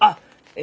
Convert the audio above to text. え